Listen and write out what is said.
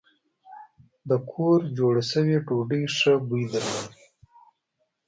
د کور جوړه شوې ډوډۍ ښه بوی درلود.